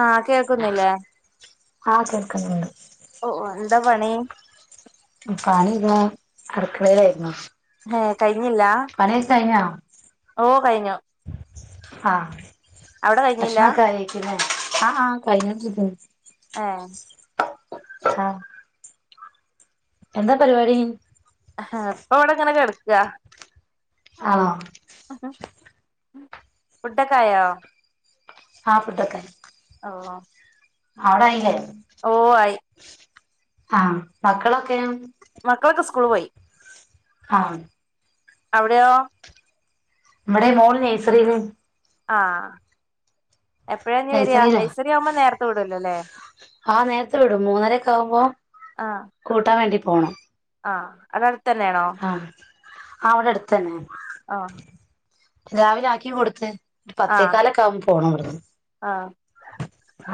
ആഹ് കേൾക്കുന്നില്ലേ ആഹ് കേൾക്കുന്നുണ്ട്. ഓ ഓ എന്താ പണി? പണി ഇത അടുക്കള ആരുന്ന് ഏ കഴിഞ്ഞില്ല പണിയൊക്കെ കയ്ഞ്ഞോ ഓ കഴിഞ്ഞു ആഹ് അവിടെ കഴിഞ്ഞില്ല ഭക്ഷണൊക്കെ കഴിഞ്ക്കില്ലേ ആഹ് ആഹ് കഴിഞ്ഞോണ്ടിരിക്ക്ന്ന് ഏഹ് ആഹ് എന്താ പരിപാടി ജാ ആഹ് ഫുഡൊക്കായോ ആഹ് ഫൂഡോക്കായി [unintelligible] ആടായില്ലേ ഓ ആയി ആഹ് മക്കളൊക്കെയ മക്കളൊക്കെ സ്കൂള് പോയി ആഹ് അവിടെയോ നമ്മടെ മോള് നെയ്സറില് ആഹ് എപ്പഴാഞ്ഞി വരിയാ നഴ്സറിയിലാ നെഴ്സറി ആവുമ്പ നേരത്തെ വിടൂലോ ല്ലേ ആഹ് നേരത്തെ വിടും മൂന്നരക്കെ ആകുമ്പോം ആഹ് കൂട്ടാൻ വേണ്ടി പോണം ആഹ് അവിടടുത്തന്നെണോ ആ അവിടെ അടുത്തു തന്നെ ആഹ് രാവിലെ ആക്കി കൊടുത്ത് ഒരു ആഹ് പത്തേക്കാലൊക്കെ ആകുമ്പ പോണം ഇവിടുന്ന് ആഹ്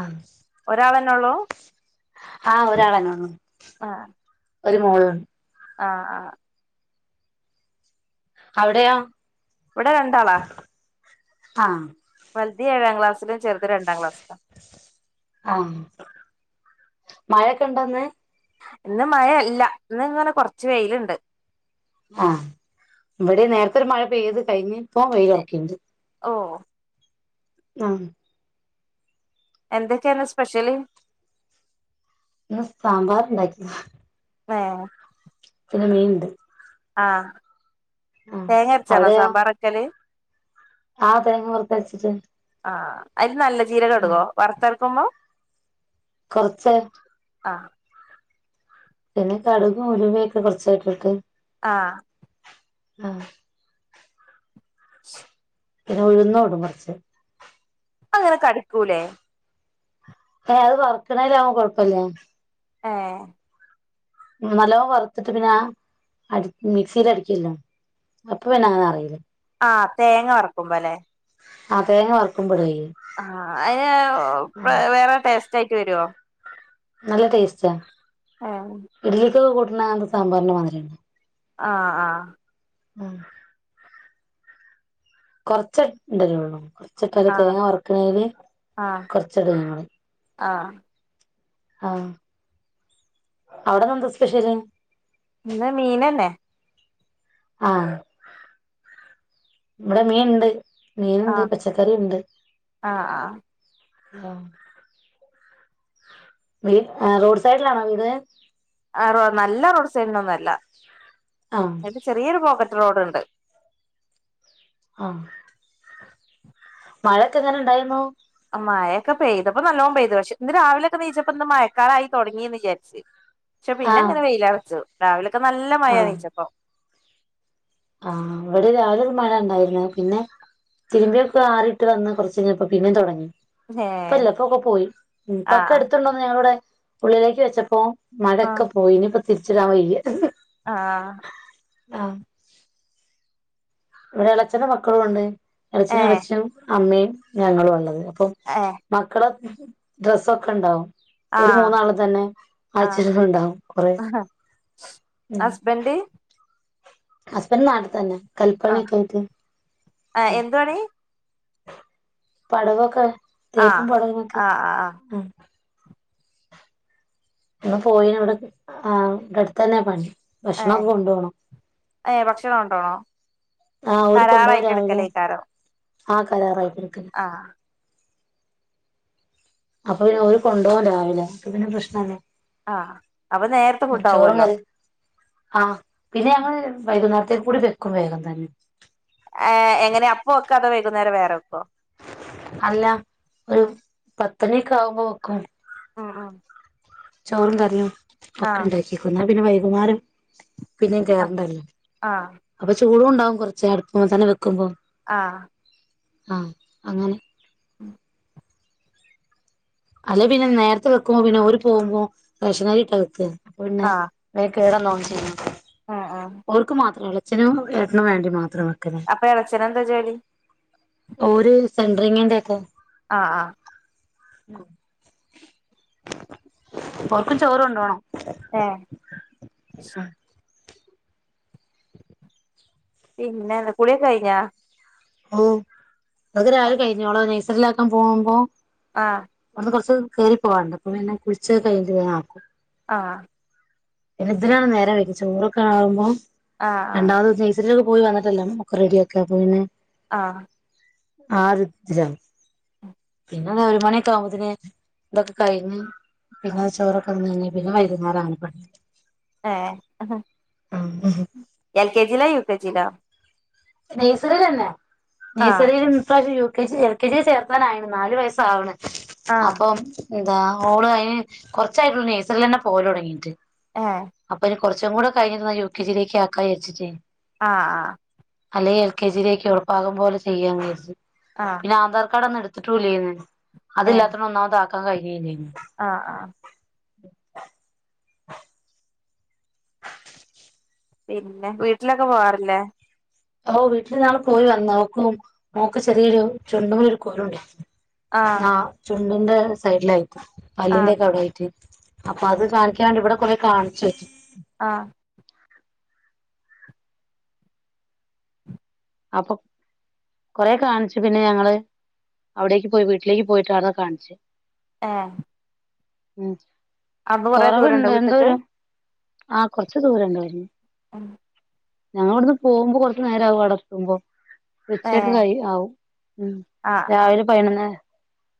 ആഹ് രാളോ ആഹ് ഒരാളന്നേള്ളൂ ആഹ് ഒരു മോളുൺ ആഹ് ആഹ് അവിടെയോ ഇവിടെ രണ്ടാളാ ആഹ് വൽതി ഏഴാം ക്ലാസ്സിലും ചെറ്ത് രണ്ടാം ക്ലാസ്സില മഴയൊക്കെ ഇണ്ടൊന്ന് ഇന്ന് മഴ യല്ല ഇന്ന് ഇങ്ങനെ കൊറച്ച് വെയിലുണ്ട് ആഹ് ഇവിടെ നേരത്തെ ഒരു മഴ പെയ്ത് കഴിഞ്ഞ് ഇപ്പോ വെയിലൊറക്ക്ണ്ട് ഓ ആഹ് എന്തൊക്കെയാരുന്ന് സ്പെഷ്യല് ഇന്ന് സാമ്പാർ ണ്ടാക്കി ഏഹ് ന്ന് മീ ഇണ്ട് ആഹ് തേങ്ങ അരച്ചാണോ അവിടെയോ സാമ്പാറെക്കല് ആഹ് തേങ്ങ വറുത്തരച്ചിട്ട് ആഹ് അതില് നല്ല ആഹ് ജീരകിടുവോ വറുത്തരക്കുമ്പോ കൊറച്ച് ആ പിന്നെ കടുകും ഉലുവയൊക്കെ കുറച്ചായിട്ടിട്ട് ആഹ് ആ [inaudible] ഉഴുന്നുടും കുറച്ച് അങ്ങനെ കടിക്കൂലെ ഏ അത് പറക്കണേല അവൻ കൊഴപ്പില്ല ആഹ് നല്ലോണം വറുത്തിട്ട് പിന്നെ മിക്സിൽ അടിക്കല്ലോ അപ്പൊ പിന്നെ അങ്ങനെ അറിയൂലെ ആഹ് തേങ്ങ വറക്കുമ്പോ അല്ലേ അ തേങ്ങ വർക്കുമ്പഴെ ആഹ് അതിന് വേറെ ടേസ്റ്റ് ആയിട്ട് വരുവോ നല്ല ടേസ്റ്റാ ആഹ് [unintelligible] സാമ്പാറിന്റെ മാതിരിയണ്ട് ആഹ് ആഹ് ആഹ് കുറച്ചണ്ട് [unintelligible] [unintelligible] ആഹ് തേങ്ങ വറക്കുന്നല് ആഹ് കൊറച്ചടങ്ങള് ആഹ് ആഹ് അവിടെന്നന്തോ സ്പെഷൽ ഇന്ന് മീനന്നെ ആഹ് ഇവിടെ മീൻണ്ട് മീനുണ്ട്, ആഹ് പച്ചക്കറി ഉണ്ട് ആഹ് ആഹ് [unintelligible] റോഡ് സൈഡിലാണോ വീട് ആഹ് നല്ല റോഡ് സൈഡിനൊന്നുംല്ല ആഹ് ചെറിയൊരു [unintelligible] റോഡണ്ട് ആഹ് മഴൊക്കെ എങ്ങനെ ഉണ്ടായിരുന്നു മഴൊക്കെ പെയ്തപ്പോ നല്ലോണം പെയ്തു പക്ഷെ ഇന്ന് രാവിലെക്കെ എനീയിച്ചപ്പ ഇന്ന് മഴക്കാലായി തൊടങ്ങിയന്ന് വിചരിച്ച് പക്ഷെ പിന്നെ ആഹ് അങ്ങനെ വെയിലാ വെച്ചു രാവിലൊക്കെ നല്ല മഴ ആഹ് എനീച്ചപ്പൊ [unintelligible] ഇവിടെ രാവിലൊരു മഴ ഉണ്ടായിരുന്ന പിന്നെ തിരുമ്പിയൊക്കെ ആറിയിട്ട് വന്ന കുറച്ച കഴിഞ്ഞപ്പ പിന്നെ തുടങ്ങി ഏ ഇപ്പല്ല ഇപ്പൊക്കെ പോയി ആ ഇപ്പൊക്കെ എടുത്തണ്ടോന്ന് ഞങ്ങളിവിടെ ഉള്ളിലേക്ക് വെച്ചപ്പോ മഴയൊക്കെ പോയിനി ഇപ്പ തിരിച്ചടാവയ്യ [unintelligible] ആഹ് ആഹ് ഇവിടെ ഇളച്ചന്റെ മക്കളും ഉണ്ട് ഏ ഇളച്ചനും ഇളച്ചനും അമ്മയും ഞങ്ങളും ഉള്ളത് ഏ [unintelligible] മക്കളെ ഡ്രസ്സൊക്കെ ഉണ്ടാവും ആ ഒരു മൂന്നാള് തന്നെ ആഴിച്ചിട്ടുണ്ടാവും കൊറെ ഉം ഹസ്ബന്റ് ഹസ്ബൻഡ് നാട്ട് തന്നെ ആ കല്പ്പണൊക്കെ ആയിട്ട് എന്തുവാണി പടവൊക്കെ ആ തേപ്പും പടവനൊക്കെ ആ ആ ആ മ്മ് ഇടെ പോയി ഇവിടെ ആ ഇടെഅടുത്ത് തന്നെ പണി ഏ ഭക്ഷണക്കെ കൊണ്ടവണം ഏ ഭക്ഷണം കൊണ്ടോണോ ആഹ് ഓരു കൊണ്ടോവും കരാറായിട്ട് രാവിലെ എടുക്കലേക്കാരം ആ കരാറായിക്കൊടുക്ക ആ അപ്പൊ പിന്നെ അവര് കൊണ്ടപോകാ രാവിലെ അപ്പൊ പിന്നെ പ്രശ്നല്ല ആ അപ്പൊ നേരത്തെ ഫുഡ് ചോറു ആവുമല്ലോ കറിം ആഹ് പിന്നെ ഞങ്ങൾ വൈകുന്നേരം [unintelligible] കൂടി വെക്കും വേഗം തന്നെ ഏ എങ്ങനെയാ അപ്പ വക്കൊ അതോ വൈകുന്നേരം വേറെ വെക്കോ അല്ല ഒരു ആ പത്ത്ണി ഒക്കെ ആവുമ്പോ വെക്കും. അ അ ചോറും കറിയും ഒക്കെ ഉണ്ടാക്കി വെക്കും എന്നാ പിന്നെ വൈകുന്നേരം പിന്നെയും ആ കേറണ്ടല്ലോ. ആ അപ്പൊ ചൂടും ഉണ്ടാവും കുറച്ച് അടുപ്പുമ്മെത്തന്നെ വെക്കുമ്പോ ആഹ് ആ അങ്ങനെ ഉം അല്ലെ പിന്നെ നേർത്തെ വെക്കുമ്പോ പിന്നെ ഓര് പോവുമ്പോ റേഷനരി ഇട്ടാ വെക്കാ അപ്പൊ പിന്നെ ആ വൈകി കേടന്നോൺ ചെയ് [unintelligible] ഉം ഉം ഓർക്ക് മാത്രം ഒള്ളൂ. അച്ഛനും ഏട്ടനും വേണ്ടി മാത്രം വെക്കലാ അപ്പൊ എളച്ചനെന്താ ജോലി ഓര് സെൻ്ററിങ്ങിന്റെ ഒക്കെ ആ ആ ഓർക്കും ചോറ് കൊണ്ടുവണോ എ പിന്നെന്താ കുളി ഒക്കെ കഴിഞ്ഞാ. ഓ അത് രാവിലെ കഴിഞ്ഞു. ഓളെ നഴ്സറിയിലാക്കാൻ പോവുമ്പോ ആ കുറച്ച് കേറി പോവാണ്ട് അപ്പൊ പിന്നെ കുളിച്ച് കഴിഞ്ഞിട്ട് ഞാൻ ആക്കും. ആ പിന്നെ ഇതിനാണ് നേരം വൈകി ചോറൊക്കെ ആവുമ്പോ ആഹ് രണ്ടാമത് നഴ്സറിയി പോയി വന്നെട്ടെല്ലാം ഒക്കെ റെഡിയാക്ക അപ്പൊ പിന്നെ ആ ആരുദ്രം പിന്നെ ഒരു മണിയൊക്കെ ആകുമ്പോത്തിന് ഇതൊക്കെ കഴിഞ്ഞ് പിന്നെ ചോറൊക്കെ തിന്ന് കഴിഞ്ഞ് പിന്നെ വൈകുന്നേരാണ് പണി ഏ അഹ [unintelligible] എൽ കെ ജിലാ യു കെ ജിലാ നെയ്സറീലന്നെ ആഹ് നെയ്സറില് ഈ പ്രാവശ്യം U K G L K G ചേർക്കാനായേണ് നാലു വയസ് ആവണ് ആഹ് അപ്പം എന്താ ഓള് അതിന് കൊറച്ചായിട്ടുള്ളൂ നെയ്സറീല് അന്നെ പോവലൊടങ്ങീട്ട്. ഏ കുറച്ചും കൂടെ കഴിഞ്ഞിരുന്ന യു കെ ജിയിലേക്ക് ആക്കാ വിചാരിച്ചിട്ടെയ്ന് ആ ആ അല്ലെങ്കി എൽ കെ ജിയിലേക്ക് ഓളെ പാകം പോലെ ചെയ്യാ വിചാരിച്ച്. ആഹ് ആഹ് പിന്നെ ആധാർ കാർഡ് ഒന്നും എടു ത്തെട്ടുല്ലേന്. അതില്ലാത്തോണ്ട് ഒന്നാമത് ആക്കാൻ കഴിഞ്ഞീല്ലേന്ന് ആ ആ [inaudible] പിന്നെ വീട്ടിലൊക്കെ പോവാറില്ലേ. ഓ വീട്ടിൽ ഞങ്ങള്പോയി വന്നു. ഓക്കും മോക്ക് ചെറിയൊരു ചുണ്ടുമ്മേ ഒരു കുരു ഉണ്ടേന്. ആഹ് ആ ചുണ്ടിന്റെ സൈഡിലായിട്ട് പല്ലിന്റെ ആഹ് ഒക്കെ അവിടായിട്ട് അപ്പൊ അത് കാണിക്കാൻ വേണ്ടി ഇവിടെ കുറെ കാണിച്ച്. ആ അപ്പൊ കൊറെ കാണിച്ചു പിന്നെ ഞങ്ങള് അവിടേക്ക് പോയി വീട്ടിലേക്ക് പോയിട്ടാവ്ട്ന്ന് കാണിച്ച് ഏ ഉം ദൂരണ്ടോ കൊറവ്ണ്ട് വീട്ട്ക്ക് എന്തോരം ആ കുർച്ച് ദൂരണ്ട്വ്ട്ന്ന് [inaudible] ഞങ്ങ ഇവിടുന്ന് പോകുമ്പോ കൊറച്ചു നേരകും അടത്തുമ്പോ ഉച്ചക്ക് ഏഹ് കൈ ആവും ഉം ആഹ് ആഹ് രാവിലെ പയനൊന്ന്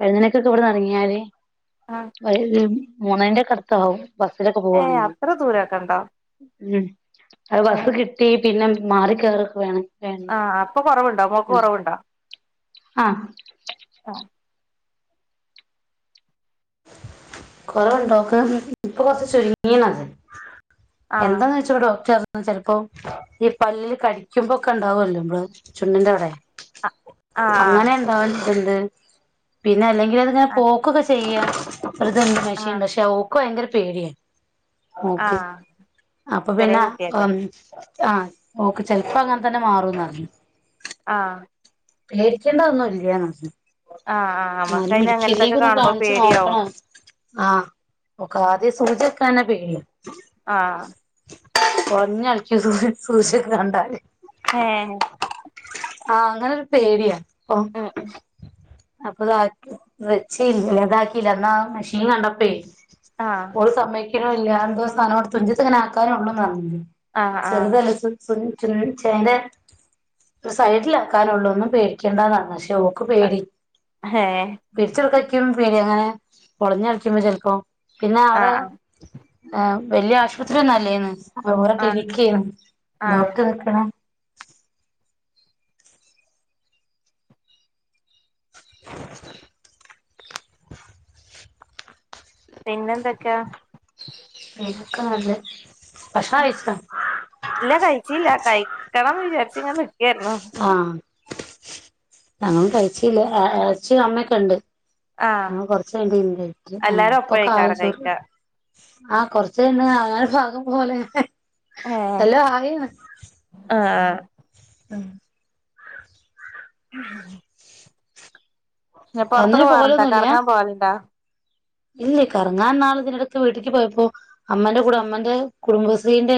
പതിനൊന്നു മണിക്കൊക്കെ ഇവിടന്ന് ഇറങ്ങിയാല് ആഹ് ഒര് മൂന്നര ന്റെക്കെ അടുത്താകും. ബസ്സിലൊക്കെ ഏഹ് പോവാണെങ്കില് അത്ര ദൂരൊക്കെ ഉണ്ടോ ഉം അത് ബസ് ഏഹ് കിട്ടി പിന്നെ മാറി കേറൊക്കെ വേണെ ആ അപ്പൊ കൊറവുണ്ടോ മോക്ക് കൊറവുണ്ടോ. ആഹ ആഹ് കൊറവുണ്ടോക്ക ഇപ്പൊ കൊറച്ച ചുരുങ്ങിനത്. ആഹ് എന്താന്ന് വെച്ചപ്പോ ഡോക്ടർ ചിലപ്പോ ഈ പല്ലല് കടി. ക്കുമ്പോക്കെ ഉണ്ടാവല്ലോ നമ്മള് ചുണ്ടി ന്റെ അവിടെ അങ്ങനെ ആഹ് ഉണ്ടാവൻ ഇതന്ത് പിന്നെ അല്ലെ ഇങ്ങനത് ഇങ്ങനെ ആഹ് പോക്കൊക്കെ ചെയ്യ ഒരു എൻ്റെ മഷി ആഹ് ഐപക്ഷെ ഓക്ക് ഭയങ്കര പേടിയാണ് നോക് ആഹ് അപ്പൊ ചെറിയ പിന്നെ കുട്ടിയല്ലേ അമം ആഹ നോക് ചെലപ്പോ അങ്ങനെ തന്നെ മാറുംന്നറഞ്ഞു ആഹ പേടിക്കേണ്ട ഒന്നും ഇല്യ എന്നറിഞ്ഞി ആഹ് ആഹ് എന്നാലും നമ്മക്കയിന് അങ്ങനത്തൊക്കെ മെടുക്കലേക്ക് ഒന്ന് കാണുമ്പോ കാണിച്ച് പേടിയാവും നോക്കണോ.. ആഹ ഓക് ആദ്യം സൂചിക്കാനാ പേടി. ആഹ കൊയ്ഞ്ഞളകും സൂജിക്കെണെ കണ്ടാല്. ഹെഹ ആഹ അങ്ങനെരു പേടിയാ ഓ ഉം ഉം അപ്പൊ ത് വെച്ചതാക്കിയില്ല അന്നാ മെഷീൻ കണ്ടപ്പോേ ആഹ് ഓള് സമ്മയ്ക്കുണുല്ല എന്തോ സാനം തുഞ്ചിത്ത് ങ്ങനെ ആക്കാനേ ഉള്ളൂ എന്ന് ആഹ് ആഹ് ചെറുതാണ്ിചുൽ ചുൽ ചുൽ ചേന. സൈഡിലാക്കാനള്ള ഒന്നും പേടിക്കേണ്ടന്നാണ് പക്ഷെ ഓക്ക് പേടി. ഏഹ് പിടികൊടുക്കാൻ കിക്കും പേടി അങ്ങനെ പുളഞ്ഞ കളിക്കുമ്പോ ചെിലപോ പിന്നെ അവിടെ ആഹ് വലിയ ആശുപത്രി ഒന്നുംല്ലേന്ന്. ആ ഒരേ ആഹ് കിലിനികെയിനി ആഹ് ആഹ് ഡോക്ടർ നിക്നെ ഹെ പിന്നെന്തൊക്കെയാ പിന്നോകെ നല്ലത് നല്ലേഭക്ഷണയച്ച ഇല്ല കഴിച്ചില്ല കഴിക്കണം വിചാരിച്ച ങ്ങെനെനി ക്കായിരുന്നു. ഞാനും കഴിച്ചല്ല അച്ച അമ്മയൊക്കെ ഉണ്ട് ആഹ് ആ കൊറച്ച കണ്ടായിട്ട് ആ എല്ലാരും ഇപ്പൊക്കെ ആയോ ഒപ്പഴേക്കാരം ചോറ് കഴിക്കാ ആഹ കൊറച്ചന്നെ ആയ ഭാഗം പോലെ. ഏ എല്ലാം ആയിണ് അഹ് ഉം ട്രരുന്ന് പുറത്തൊക്കെ ഒന്നിനും പോവാറുണ്ടോ കറങ്ങാൻ പോവാറുണ്ടാ. ഇല്ലേ കറങ്ങാൻന്നാൾ ഇതിടക്ക് വീട്ടക്ക് പോയപ്പോ അമ്മന്റെകൂടെ അമ്മന്റെ കുടുംബശ്രീന്റെ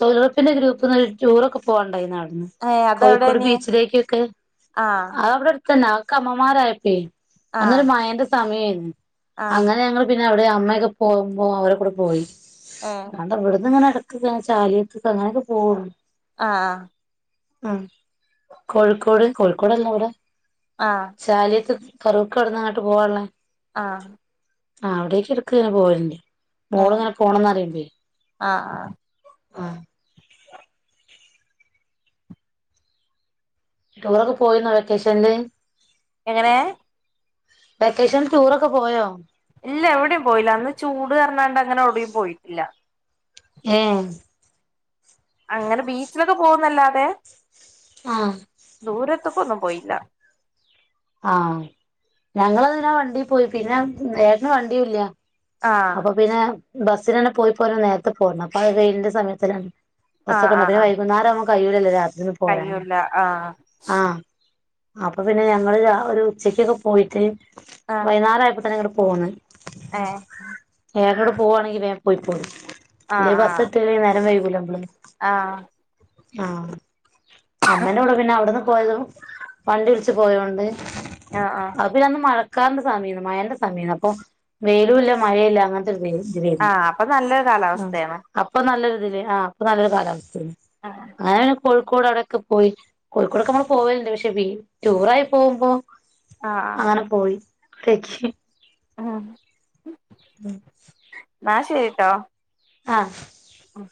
തോഴി ലൊരപ്പിൻ്റെ ഗ്രൂപ്പ്ന്ന് ഒരു ടൂറൊക്കെ പോവാണ്ടന്നാൾ. ഏഹ് കോഴിക്കോട് അതെവിടെനി ബീച്ചിലേക്കൊക്കെ ആഹ് ആ അവിടെ അന്നെ ആക്ക് അമ്മമാരായപ്പോ ആഹ് അന്നൊരു മയന്റെ സമയമായിരുന്നു ആഹ് അങ്ങനെങ്ങള് പിന്നെ അവിടെ അമ്മയൊക്കെ പോകുമ്പോ അവരെ കൂടെ പോയി ഏഹ് ല്ലാണ്ടെ ഇവിടുന്ന് ഇടക് ക് ത ചാലിയത്ക് ക്കൊക്കെ അങ്ങനൊക്കെ പോവുള്ളൂ ആഹ ഉം കോഴിക്കോട് കോഴിക്കോടല്ലോ അവിടെ ആഹ് ചാലിയത്ത് ഫറോക്ക് അടന്ന്ങ്ങട്ട് പോവാള്ളേ ആ ആ അവിടേക്ക്എടക്ക് ഞാ ഏഹ് ആഹ് പോലണ്ട്മോള്ങ്ങനെപോണംന്ന് അറീമ്പേയ് ആഹ് ആ ടൂറൊക്കെ പോയിന്നോ വെക്കേഷൻല് എങ്ങനെ? വെക്കേഷൻ ടൂർ ഒക്കെ പോയോ? ഇല്ല എവിടിം പോയില്ല അന്ന് ചൂട് അറ് ഞ്ഞാണ്ട് അങ്ങനെ ഔടിം പോയിട്ടില്ല. ഏ അങ്ങനെ ബീച്ചിലൊക്കെ പോകുന്നല്ലാതെ ആ ത്ത്ക്കൊന്നും പോയില്ല ആ ഞങ്ങളതിനാ വണ്ടി പോയി പിന്നെ, ഏട്ടന് വണ്ടിയുല്ല ആഹ് അപ്പൊ പിന്നെ ബസ്സിനന്നെ പോയി പോരണ നേരത്ത്പോരണം അപ്പംഅഹ് വെയിലിൻന്റെ സമയത്തലെ. ബ ആഹ് സ്സെക്കെണ്ട് ആഹ് പിന്നെ ആഹ് വൈകുന്നേരം പ്പം കയിഴൂലല്ലോ രാ- ത്രി പോരാന് കഴിയൂല്ല ആഹ് ആ അപ്പൊ പിന്നെ ഞങ്ങള് രാ ഒര് ഉച്ചക്കൊക്കെ പോയിട്ട് ആഹ് വൈനാരാ യപ്പോ തിന് ഇങ്ങട്ട് പോന്ന് ഏഹ് ഏട്ടടെ പോകുവാണെങ്കില് വേ പോയ്ക്കോളീം ഇല്ലേൽബസ് ഇട്ട്ല്ലെങ്കിൽ നേരം വൈ- ആ ആ അമ്മേൻ്റകൂടെ പിന്നെ അവിടെന്ന് പോയതു വണ്ടി വിളിച്ച് പോയതോണ്ട് ആഹ് ആഹ് അ പിന്നന്ന് മഴ ക്കാറിൻ്റ സമഴേന്നു മഴന്റെസമേന്നു അ പ്പോ വെയിലുംല്ല മഴേല്ല അങ്ങൻ ത്തെ തിലേ ന്നു ആഹ് അപ്പൊ നല്ലൊരു ആ കാലാവസ്ഥയാണ് അപ്പൊ നല്ല രു തില് ആ അപ്പൊ നല്ലൊരു കാലാവസ്ഥയേ ന്നു ആഹ് അങ്ങനെ പിന്നെ കോ ക്കോട് അവിടൊക്കെ പോയി കോഴിക്കോടൊക്കെ നമ്മള് പോവല്ണ്ട് പക്ഷെ വീ ടൂറായി പോകുമ്പോ. ആഹ് അങ്ങനെ പോയി രക്ഷി ഉം എന്നാ ഉം, [unintelligible] ആ ഉം,